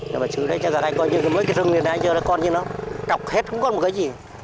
nhưng mà chứ đấy cho các anh coi như mấy cái rừng này cho các con như nó đọc hết cũng có một cái gì